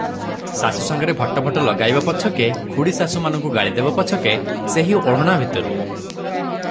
ଶାଶୁ ସାଙ୍ଗରେ ଭଟ ଭଟ ଲଗାଇବ ପଛକେ, ଖୁଡ଼ୀଶାଶୁମାନଙ୍କୁ ଗାଳିଦେବ ପଛକେ ସେହି ଓଢ଼ଣା ଭିତରୁ ।